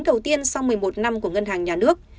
đầu tiên sau một mươi một năm của ngân hàng nhà nước